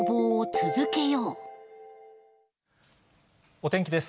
お天気です。